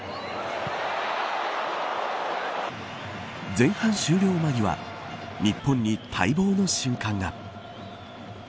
前半終了間際日本に待望の瞬間が。